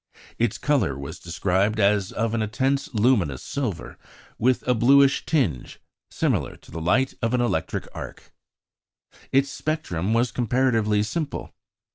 Its colour was described as "of an intense luminous silver, with a bluish tinge, similar to the light of an electric arc." Its spectrum was comparatively simple.